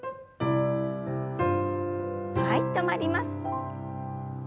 はい止まります。